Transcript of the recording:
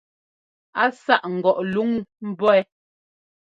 Á sâʼ ŋgɔʼ luŋ mbɔ̌ wɛ.